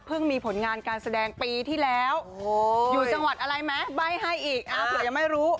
มีผลงานการแสดงปีที่แล้วอยู่จังหวัดอะไรไหมใบ้ให้อีกเผื่อยังไม่รู้